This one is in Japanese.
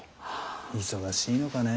忙しいのかね。